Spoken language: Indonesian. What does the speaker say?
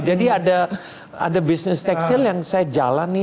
jadi ada bisnis tekstil yang saya jalani